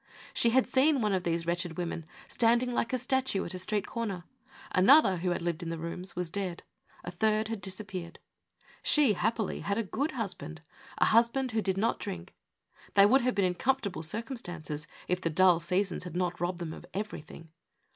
She had seen one of these wretched women standing like a statue at a street cor ner; another who had lived in the rooms was dead; a third had disappeared. She, happily, had a good husband — a husband who did not drink. They would have been in comfortable circumstances, if the dull seasons had not robbed them of everything.